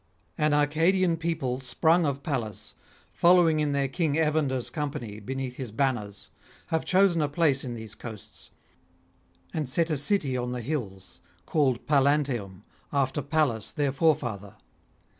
An Arcadian people sprung of Pallas, following in their king Evander's company beneath his banners, have chosen a place in these coasts, and set a city on the hills, called Pallanteum after Pallas their forefather.